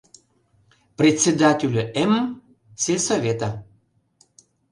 «Председателю М... сельсовета.